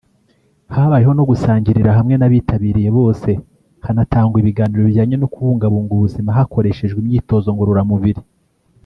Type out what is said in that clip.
Habayeho no gusangirira hamwe n’abitabiriye bose hanatangwa ibiganiro bijyanye no kubungabunga ubuzima hakoreshejwe imyitozo ngororamubiri